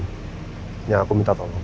yang aku minta tolong